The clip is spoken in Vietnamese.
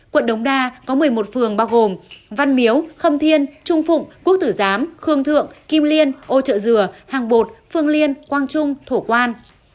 quận đống đa có một mươi một phường bao gồm văn miếu khâm thiên trung phụng quốc tử giám khương thượng kim liên ô chợ dừa hàng bột phương liên quang trung thổ quan